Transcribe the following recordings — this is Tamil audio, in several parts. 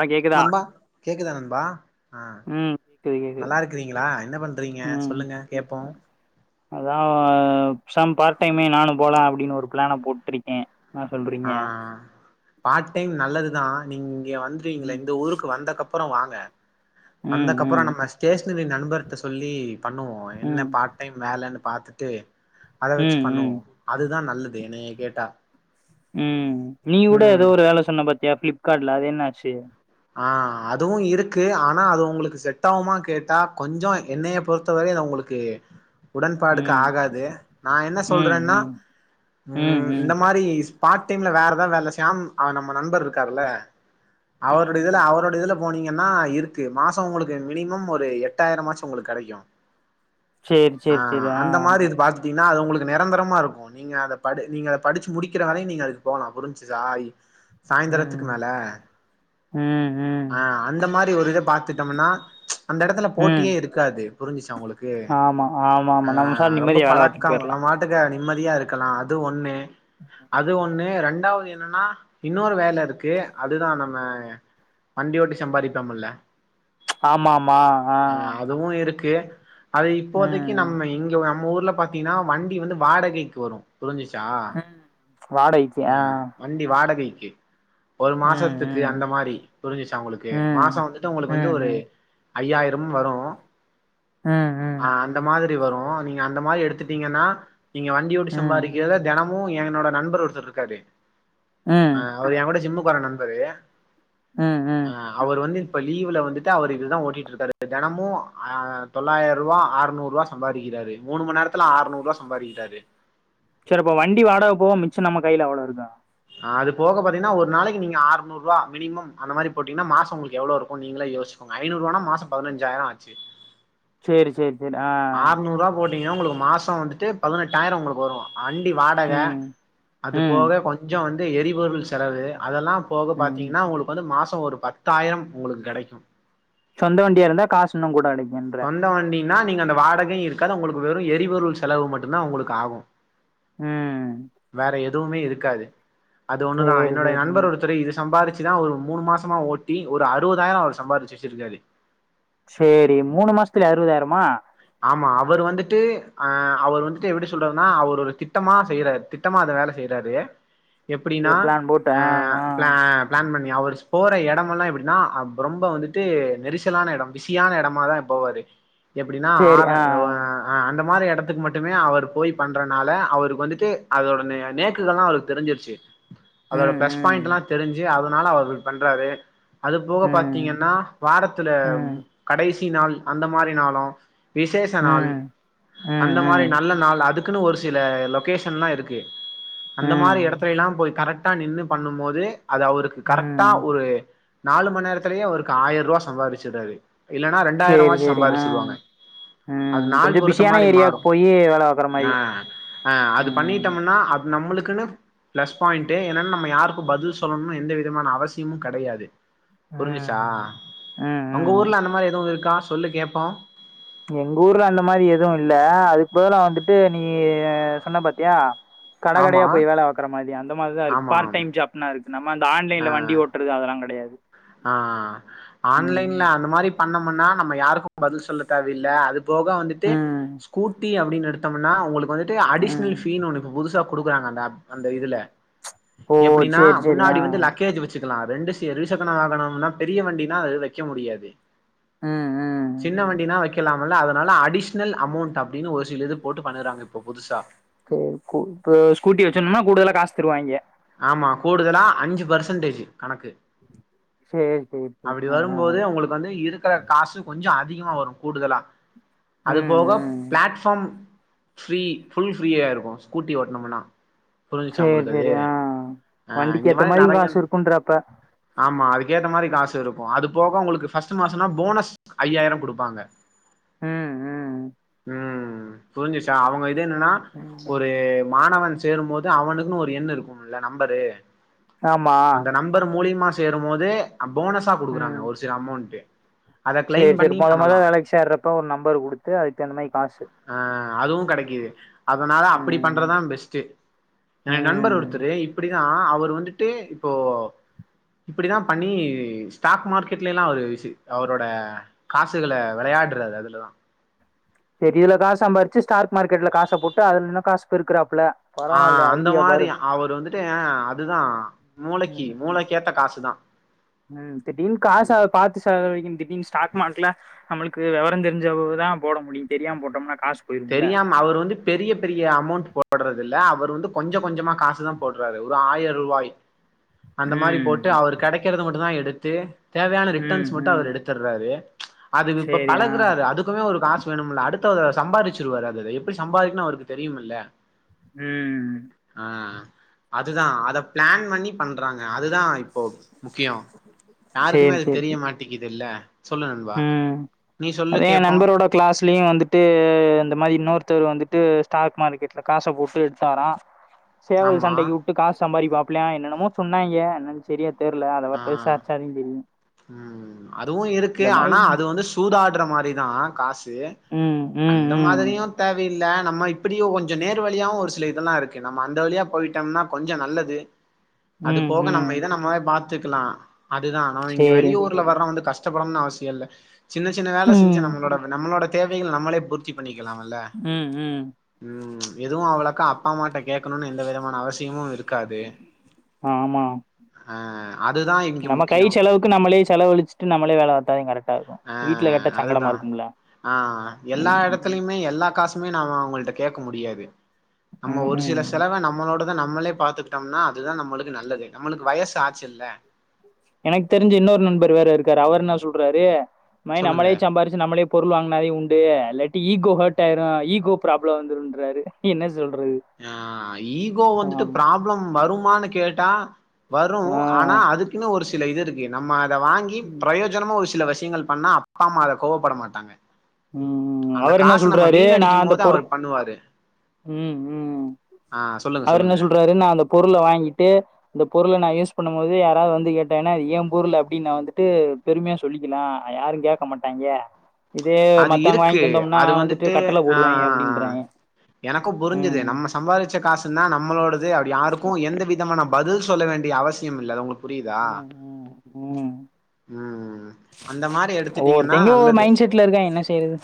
ஆ கேக்குதா நண்பா கேக்குதா நண்பா ஆ ம் கேக்குது கேக்குது நல்லாஇருக்கறீங்ளா என்ன பண்றீங்க ம் சொல்லுங்க கேப்போ அதா பெசாம் பார்ட் டைமே நானு போலா‌ அப்டின்னு ஒரு பிளான போட்ருக்கே என்ன ஆ சொல்றீங்க பார்ட் டைம் நல்லதுதா நீங்க இங்க வந்துருவீங்ள ம் இந்த ஊருக்கு வந்தக்கப் பறோ வாங்க ம் வந்தக்கப்பறோ ம் நம்ம ஸ்டேஷனரி நண்பர்ட்ட சொல்லி பண்ணுவோ என்ன ம் பார்ட் டைம் வேலன்னு பாத்துட்டு அத வச்சு ம் பண்ணுவோ ம் அதுதா நல்லது என்னைய கேட்டா ம் நீ கூட ம் ஏதோ ஒரு வேல சொன்ன பாத்தியா ஃபிளிப்கார்ட்ல அது என்ன ஆச்சு ஆ அதுவு இருக்கு ஆனா அது உங்களுக்கு செட்டாவுமா கேட்டா கொஞ்சோ என்னைய பொறுத்தவரை அது உங்களுக் கு உடன்பாடுக்கு ம் ஆகாது நா என்ன ம் சொல்றன்னா ம் ம் இந்த மாரி பார்ட் டைம்ல வேறதா வேல ஷியாம் அவர் நம்ப நண்பர் இருக்காற்ல்ல ம் அவருடைய இதுல ம் அவருடைய இதுல போனீங்கன்னா இருக்கு மாச உங்களுக்கு மினிமம் ஒரு எட்டாயிரம் ஆச்சு உங்களுக்கு கடைக்கு சேரி ஆ சேரி சேரி அந்த மாரி இது பாத்துட்டீங்கன்னா அது உங்களுக்கு நெரந்தரமா இருக்கு நீங்க அத படு நீங்க அத படிச்சு முடிக்கிற வரையு நீங்க அதுக்கு போலா புரிஞ்சுச்சா அய் ம் சாயந்தரத்துக்கு மேல ம் ம் ஆ அந்த மாரி ஒரு இத பத்துட்டோம்னா அந்த எடத்துல ம் போட்டியே இருக்காது புரிஞ்சிச்சா உங்களுக்கு ஆமா ஆமா ஆ ஆமா நம்ம சார் ரொம்ப நிம்மதியா வேல பழக்கோ பாத்துட்டு போயிரலா உங்கமாட் டுக்கு நிம்மதியா இருக்கலா அது ஒண்ணு அது ஒண்ணு ம் ரெண்டாவது என்னன்னா இன்னொரு வேல இருக்கு அதுதா நம்ம வண்டியோட்டி சம்பாதிப்போம்ல ஆமா ஆமா ஆ அதுவு இருக்கு அது இப்போதைக்கு ம் நம்ம இங்க நம்ம ஊர்ல ப அப்டினா வண்டி வந்து வாடகைக்கு வரு புரிஞ்சிச்சா ம் வாடகைக்கு ஆ அ வண்டி வாடகைக்கு ஒரு ம் மாசத்துக்கு ம் அந்த மாரி புரிஞ்சிச்ச உங்களுக்கு ம் மாச வந்துட்டு உங்களுக்கு வந்து ம் ஒரு ம் ஐயாயிரம் வரு ம் ம் அ அந்த மாதிரி வரு நீங்க அந்த மாரி எடுத்துட்டீங்கன்னா நீங்க வண்டி ஓட்டி ம் சம்பாதிக்கிறத தெனமு என்னோட நண்பர் ஒருத்தர் இருக்காரு ம் ஆ அவர் எ கூட ஜிம்முக்கு வர நண்பரு ம் ம் அ அவர் வந்து இப்ப லீவுல வந்துட்டு அவர் இதுதா ஓட்டி இருக்காரு தெனமு அ தொள்ளாயிர ரூவா ஆறுநூறுவா சம்பாதிக்காரு மூணு மண் நேரத்துல அறுநூறுவா சம்பாறிக்குறாரு சரி இப்ப வண்டி வாடக போவ மிச்சோ நம்ம கையில எவ்ளோ இருக்கு அதுக போக பாத்தீங்கன்னா ஒரு நாளக்கு நீங்க ஆறுநூறுவா மினிமம் அந்த மாரி போட்டீங்கன்னா மாசோ உங்களுக் எவ்ளோ இருக்கு நீங்களே யோசி ஐநூறுவானா மாசோ பதினஞ்சாயிரோ ஆச்சு சேரி சேரி சேரி ஆ ஆர்நூறுவா போட்டீங்க உங்களுக்கு மாசோ வந்துட்டு பதினெட்டாயிரோ உங்களுக்கு வரு வண்டி வாடக ம் அது ம் போக கொஞ்சோ வந்து எரிபொருள் செலவு அதெல்லா போக ம் பாத்தீங்கன்னா உங்களுக்கு வந்து மாசோ ஒரு பத்தாயிரம் உங்களுக்கு கிடைக்கு சொந்த வண்டியா இருந்தா காசு இன்னு கூட கெடைக்குன்ற சொந்த வண்டினா நீங்க அந்த வாடகை இருக்காது உங்களுக்கு வெறு எரிபொருள் செலவு மட்டு தா உங்களுக்கு ஆகு ம் வேற எதுவுமே இருக்காது அது ஒண்ணுதா சேரி என்னுடைய சேரி நண்பர் ஒருத்தரு இது சம்பாதிச்சு தா ஒரு மூணு மாசமா ஓட்டி ஒரு அறுபதாயிரோ அவர் சம்பாதிச்சு வச்சிருக்காரு செரி மூணு மாசத்துல அறுபதாயிரமா ஆமா அவர் வந்திட்டு அ அவர் வந்துட்டு எப்டி சொல்றாருன்னா அவர் ஒரு திட்டமா செய்றாரு திட்டமா அத வேல செய்றாரு [inaudible] எப்டின்னா ஆ ப்ள பிளான் பண்ணி அவர் போற எடமெல்லா எப்டின்னா அவ் ரொம்ப வந்துட்டு நெரிசலான எடோ பிசியான எடமா தா போவாரு எப்டின்னா சேரி ஆற ஆ ஆ அந்த மாதிரி எடத்துக்கு மட்டுமே அவர் போய் பண்றதுனால அவருக்கு வந்துட்டு அதோட நேக்குகள்லா அவரு தெரிஞ்சிருச்சு அதோட ம் பிளஸ் பாயிண்ட் எல்லா ம் தெரிஞ்சு அதனால அவர் பண்றாரு அது போக ம் பாத்தீங்கன்னா வாரத்துல ம் கடைசி நாள் அந்த மாரி நாளு விசேஷ ம் நாள் ம் அந்த மாரி நல்ல நாள் அதுக்குன்னு ஒரு சில லொகேஷன்லா இருக்கு ம் அந்த மாரி எடத்துல ம் எல்லா போய் கரெக்டா நின்னு பண்ணு போது அது அவருக்கு கரெக்ட் டா ம் ஒரு நாலு மணி நேரத்துலயே அவருக்கு ஆயிர ரூபா சம்பாதிச்சுடுறாரு இல்ல சேரி ரெண்டாயிரமாச்சு சேரி ஆ சம்பாரிச்சிடுவாங்க ம் அது நாள் கொஞ்சோ பொறுத்த பிஸியான மாரி மாறு ஏரியாவுக்கு போயி வேல பாக்குற மாரி அ அ அது பண்ணிட் ம் ட்டோம்னா அது நம்மளுக்குன்னு பிளஸ் பாயிண்ட்டே என்னன்னு நம்ம யாருக்கு பதில் சொல்லணு எந்த விதமான அவசியமு கெடையாது ம் புரிஞ்சிச்சா ம் உங்க ம் ஊர்ல அந்த மாதிரி எதுவு இருக்கா சொல்லு கேப்போ எங்க ஊர்ல அந்த மாதிரி எதுவு இல்ல அதுக்கு பதிலா வந்துட்டு நீ சொன்ன பாத்தியா கட கடயா ஆமா போய் வேல பாக்குற மாரி அந்த மாரி தா இருக்கு ஆமா பார்ட் டைம் ஜாப் இருக்கு நம்ம அந்த ஆ ஆன்லைன்ல வண்டி ஓட்டுறது அதெல்லா கெடையாது ஆ ம் ஆன்லைன்ல அந்த மாரி பண்ணமுன்னா நம்ம யாருக்கு பதில் சொல்ல தேவையில்ல அது போக வந்துட்டு ம் ஸ்கூட்டி அப்டின்னு எடுத்தோம்னா உங்களுக்கு வந்துட்டு ம் அடிஷ்னல் ஒன்னு புதுசா கொடுக்குறாங்க அந்த ஆப் அந்த இதுல ஓ எப்டின்னா சேரி சேரி ஆ முன்னாடி வந்து லக்கேஜ் வச்சு வச்சிக்கலா ரெண்டுசி இரு சக்கர வாகனம்னா பெரிய வண்டினா அது வைக்க முடியாது ம் ம் சின்ன வண்டினா வைக் இலாமல்ல அதனால அடிஷ்னல் அமௌண்ட் அப்டின்னு ஒரு சில இது போட்டு பண்ணறாங்க இப்ப புதுசா செரி இப்ப ஸ்கூட்டி வச்சணும்னா கூடுதலா காசு தருவாங்கே ஆமா கூடுதலா அஞ்சு பெர்சன்டேஜ் கணக்கு சேரி சேரி அப்டி ஆ ஆ ஆ வரும்போது உங்களுக்கு வந்து இருக்கிற காசு கொஞ்சோ அதிகமா வரு கூடுதலா அது ம் போக ம் பிளாட்ஃபார்ம் ஃப்ரீ புஃபுல் ஃப்ரீயா இருக்கு ஸ்கூட்டி ஓட்டனோம்னா புரிஞ்சிச்சா சேரி உங்களுக்கு அது சேரி ஆ ஆ வண்டிக்கு இந்த ஏத்த மாதிரி மாரி நெறைய காசு இருக்குன்ற அப்ப ஆமா அதுக்கேத்த மாரி காசு இருக்கு அது போக உங்களுக்கு ஃபர்ஸ்ட் மாசோனா போனஸ் ஐயாயிரம் குடுப்பாங்க அ ம் புரிஞ்சுச்சா அவுங்க இது என்னன்னா ஒரு மாணவன் சேரும்போது அவனுக்குன்னு ஒரு எண் இருக்கும்ல நம்பரு ஆமா அந்த நம்பர் மூலியமா சேரும்போது போனஸா குடுக்குறாங்க ம் ஒரு சில அமௌண்ட் அத கிளைம் பண்ணி பண்ணலா சேறப்ப ஒரு நம்பர் குடுத்து அதுக்கு அந்த மாரி காசு அ அதுவும் கெடைக்குது அதனால அப்பிடி ம் பண்றது தான் பெஸ்ட் என் நண்பர் ம் ஒருத்தரு இப்பிடிதான் அவர் வந்துட்டு இப்போ இப்பிடி தான் பண்ணி ஸ்டாக் மார்க்கெட்லலாம் அவர் விச அவரோட காசுகளை வெளையாடுறாறு அதுலதான் தெரில தா சம்பாரிச்சு ஸ்டாக் மார்க்கெட்ல காச போட்டு அதுல இன்னும் காசு பெருக்குறாப்புல ஆ பரவால்ல அந்த ஐடியா மாரி பாரு அவரு வந்துட்டு ஏன் அதுதான் ம் மூளைக்கு ம் மூளைக்கேத்த காசுதான் ம் திடீர்னு காச பாத்து செலவழிக்கனு திடீர்னு ஸ்டாக் மார்க்ல நம்முளுக்கு விவரம் தெரி்ஞ்சவுங்கதான் போட முடியும் தெரியாம போட்டோம்னா காசு போயிரும்ல தெரியாம அவரு வந்து பெரிய பெரிய அமௌண்ட் போடுறதுல்ல அவரு வந்து கொஞ்சம் கொஞ்சமா காசு தான் போடுறாரு ஒரு ஆயிரம் ரூபாய் அந்த மாரி ம் போட்டு அவர் கெடைக்கறது மட்டும் தான் எடுத்து தேவையான ம் ரிட்டர்ன்ஸ் மட்டும் ம் அவரு எடுத்து தர்றாரு அது இப்ப சேரி ஆ பழகுறாரு அதுக்குமே ச்சுறாரு அது இப்ப பழகுறாரு அதுக்குமே ஒரு காசு வேணும்ல அடுத்தவங்க சம்பாதிச்சு ச்சுருவாறு அத அத எப்பிடி சம்பாதிக்கணும் அவருக்கு தெரியும் இல்ல ம் ஆ அதுதான் அத பிளான் பண்ணி பண்றாங்க அதுதான் இப்போ முக்கியம் யாருக்குமே சேரி அது சேரி சேரி தெரிய மாட்டேங்குது இல்ல சொல்லு நன்பா நீ சொல்லு கேப்போம் கிளாஸ்லேயும் வந்துட்டு இந்த மாரி இன்னொருத்தர் வந்துட்டு ஸ்டாக் மார்க்கெட்டில்ல காச போட்டு எடுத்தாறா சேவல் ஆமா சண்டைக்கு வுட்டு காசு சம்பாரிப்பாப்பல என்னென்னமோ சொன்னாங்க என்னனு தெரியாது தெர்ல அத ஆ பத்தி விசாரிச்சா தா தெரியும் ம் அதுவும் இருக்கு ஆனா அது வந்து சூதாடுற மாரிதான் காசு குடுத்து ம் அது ம் இந்த ம் மாதிரியும் தேவயில்லை நம்ம இப்பிடியோ கொஞ்சம் நேர் வழியாவும் ஒரு சில இதெல்லாம் இருக்கு நம்ம அந்த வழியா போயிட்டோம்னா கொஞ்சம் நல்லது அது ம் போக நம்ம ம் இத நம்மளே பாத்துக்கலாம் அதுதான் நம்ம இங்க சேரி வெளியூர் துல வர்ற வந்து கஷ்டப்படும்னு அவசியம் இல்ல சின்ன சின்ன வேலை செஞ்சு ம் நம்பளோட நம்பளோட தேவைகள நம்மளே பூர்த் ச்சு பண்ணிக்கலாம்ல ம் ம் ம் எதுவும் அவளக்கா அப்பா அம்மா கிட்ட கேக்கணும்னு எந்த விதமான அவசியமும் இருக் ருக்காது ஆமா ஆ அதுதான் நம்ம கை செலவுக்கு நம்மளே செலவுழச்சிட்டு நம்ளே வேலை பாத்தாதான் கரெக்ட் ஆ அதுதான் ஆ எல்லா ம் எடத்த ம் துலுமே எல்லா காசுமே நாம அவுங்கள்ட கேக்க முடியாது நம்ம ம் ஒரு சில ம். செலவ நம்மளோடத நம்மளே பாத்துகிட்டோம்னா அதுதான் நம்புளுக்கு நல்லது நம்புளுக்கு வயசு ஆச்சுல்ல எனக்கு தெரிஞ்ச இன்னொரு நண்பர் வேற இருக்காரு அவர் என்ன சொல்றாரு் சொல்லுங்க நம்மளே சாம்பாரிச்சு நம்மளே பொருள் வாங்கினாதே உண்டு இல்லாட்டி ஈகோ ஹேட் ஆயிரும் ஈகோ ப்ராப்ளம் வந்துருன்ராரு என்ன சொல்றது ஆ ஈகோ வந்துட்டு ஆமா. ப்ராப்ளம் வருமான்னு கேட்டா வரு ஆ. ஆனா அதுக்குன்னு ஒரு சில இது இருக்கு நம்ம அத வாங்கி ம். பிரயோஜ ஜோனமோ ஒரு சில வெஷ்யங்கள் பண்ணா அப்பா அம்மா அத கோவப்பட மாட்டாங்க ம் அந்த அவர் என்ன காச நம்ம சொல்றாரு நா வீணடிக்கும் அந்த போது பொரு அவர் பண்ணுவாரு ம் ம் ஆ சொல்லுங்க அவரு என்ன சொல்லுங்க சொல்றாரு நா அந்த பொருள வாங்கிட்டு இந்த பொருள நா யூஸ் பண்ணும் போது யாராவது வந்து கேட்டாங்னா அது ஏ பொருளு அப்டின் நா வந்துட்டு பெருமையா சொல்லிக்கலா யாரு கேக்க மாட்டாங்க அது இருக்கு அது வந்துட்டு கட்டல ஆ போடுவாய்ங்க ஆ ஆ ஆ அப்படின்றாய்ங்க. எனக்கு புரிஞ்சது ம். நம்ம சம்பாதிச்ச காசுன்னா நம்மளோடது அப்படி யாருக்கு எந்த விதமான பதில் சொல்ல வேண்டிய அவசியோமில்ல அது உங்களுக் புரியுதா ம், ம், ம். ம் அந்த மாரி எடுத்துட்டீங்கன்னா நல்லது வீட்லருக்கே என்ன செய்றது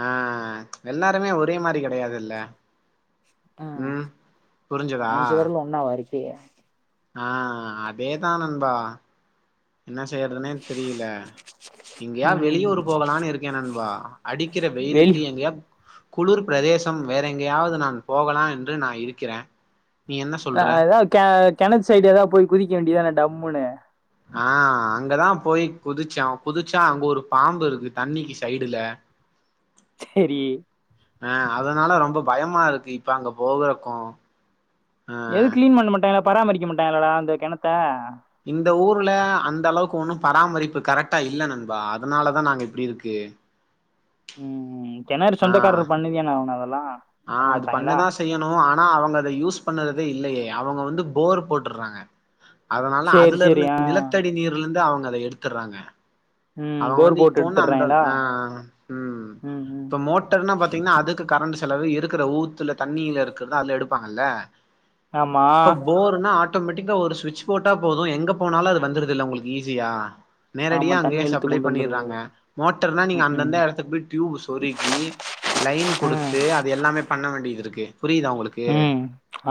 ஆ எல்லாருமே ஒரே மாரி கெடையாதுல்ல ம் புரிஞ்சதா ஒன்னாவ இருக்கீக ஆ அதேதா நண்பா என்ன செய்யறதுனே தெரியல எங்கயாது ம் வெளியூர் போகலான்னு இருக்கே நண்பா அடிக் கிற வெளி வெயிலுக்கு எங்யா குளிர் பிரதேசம் வேற எங்கேயாவது நான் போகலான்று நா இருக்கிறே நீ என்ன அ சொல்ற அதா கெ கெணத்து சைடு ஏதாவது போய் குதிக்க வேண்டியது தான டம்முன்னு ஆ அங்கதா போய் குதிச்சோ குதிச்சா அங்க ஒரு பாம்புருக்கு தண்ணிக்கி சைடுல சேரி ஆ அதுனால ரொம்ப பயமாருக்கு இப்ப அங்க போகுறக்கு எதுவு கிளீன் பண்ண மாட்டாங்களா பராமரிக்க மாட்டாங்களா அந்த கெணத்த இந்த ஊர்ல அந்தளவுக்கு ஒண்ணு பராமரிப்பு கரெக்டா இல்ல நண்பா அதனாலதா நாங்க இப்டி இருக்கு ம் ம் கெணரு ஆ சொந்தக்கார்ரு பண்ணிதான ஆகனு அதெல்லா ஆ பண்ண அது மாட்டாங்களா பண்ணதா செய்யணு ஆனா அவங்க அத யூஸ் பண்றதே இல்லயே அவுங்க வந்து போர் போட்டர்றாங்க அதனால சேரி சேரி அதுலருனு ஆ நிலத்தடி நீர்லந்து அவுங்க அத எடுத்துர்றாங்க ம் அவுங்க போர் வந்து போட்டு இப்போன்னா அந்த எடுத்துடுறாங்களா ஆ ம் இப்ப மோட்டர்னா பாத்தீங்னா அதுக்கு கரண்டு செலவு இருக்குற ஊத்துல தண்ணிலருக்ரதல அதுல எடுப்பாங்கல்ல ஆமா இப்ப போர்னா ஆட் டோமெட்டிக்கா ஒரு ஸ்விட்ச் போட்டா போது எங்க போனாலு அது வந்ருதுல்ல உங்ளுக் ஈஸியா ஆமா நேடியா அங்கே தண்ணி சப் இழுத்து ளை கொண்டு வந்துருது பண்ணிர்றாங்க மோட்டர்னா நீங்க ம் அந்தந்த ம் எடத்துக்கு போய் ட்யூப்ய சொருகி லைனு குடுத்து எ அது எல்லாமே பண்ண வேண்டியதுருக்கு புரியுதா உங்ளுக் கு ம்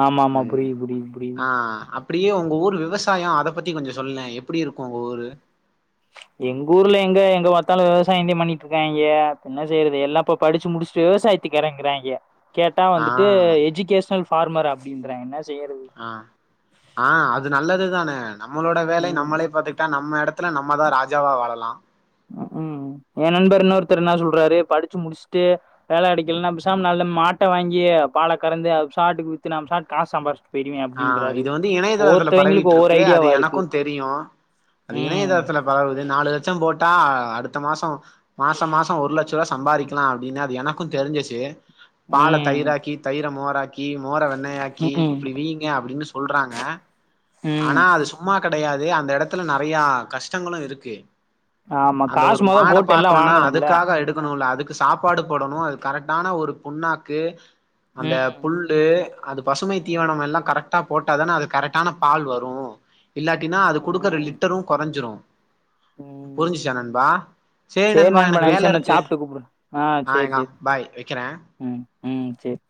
ஆமா ஆமா ம் புரியுது புரியுது புரியுது ஆ அப் அப்டியே உங்க ஊர் விவசாயோ அத பத்தி கொஞ்ச சொல்லே எப்டிருக்கு உங்க ஊரு எங்கூர்ல எங்க எங்க பாத்தாலு விவசாயந்தே பண்ணிட்ருக்காய்ங்கே என்ன செய்றது எல்லாப்போ படிச்சு முடிச்ட்டு விவசாயத் துக்கு எறங்கறாய்ங்க கேட்டா ஆ வந்துட்டு எஜிகேஷ்னல் ஃபார்மர் அப்டின்றாகே என்ன செய்றது ஆ ஆ அது நல்லது தானே நம்மளோட வேலை ம் நம்மளே பாத்துகிட்டா நம்ம எடத் துல நம்ம தா ராஜாவா வாழலா ம் ஒ நண்பர் இன்னொருத்தர் என்ன சொல்றாரு படிச்சு முடிச்ட்டு வேல கடிக்கல்னா பெசாம்ம நல்ல மாட்ட வாங்கி பால கறந்து ப் சாட்டுக் வித்துனா ப் சாட் காஸ் சம்பாரிச்ட் தெரியு ஆ அப்டின்றாரு இது வந்து இணையதளத்துல ஒவ்வொருதவங்களுக் ஒவ்வொரு பரவிட்ருக்கு அது ஐடியாவருக்கு ம் [unintelligible] தர்த்துல பரவுது நாலு லெச்சம் போட்டா அ அடுத்த மாசோ மாச மாச ஒர்லெச்சருவா சம்பாரிக்லா அப்டின்னு அது எனக்கு தெரிஞ்சச்சு பால ம் தயிராக்கி தயிர மோராக்கி மோர வெண்ணயாக்கி ம் இப்டி வீங் ங்க அப்டின்னு சொல்றாங்க ம் ஆனா அது சொ சும்மா கெடையாது அந்த எடத்ல நெறயா கஷ்டங்களு இருக்கு ஆமா அந்த காசு ஒரு மொத மாட போட்டு எல்லாம் பாக்ணுன்னா வாங்கணும்ல அதுக்காக எடுக்குணுல்ல அதுக் சாப்பாடு போடோணு அது கரட்டான ஒரு புண்ணாக்கு அந்த ம் புல் டு அது பசுமை ம் தீவனமெல்லா கரெட்டா போட்டாதானே அது கரெகட்டான பால் வரு இல்லாட்டினா ம் அது குடுக்கற ம் லிட்டரு கொறஞ்சிரு ம் புரிஞ்சிச்சா நண்பா சேர் சேரி நண்பா நா எனக்கு சேரி நா வேலருக்கு சாப்ட்டு கூப்புட்றே ஆ சேரி எங்கா சேரி பாய் வெக்கறே ம் ம் சேர்